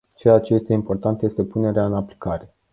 Ceea ce este important este punerea în aplicare.